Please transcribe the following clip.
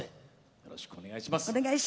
よろしくお願いします。